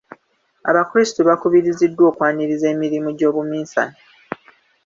Abakrisito bakubiriziddwa okwaniriza emirimu gy'obuminsane.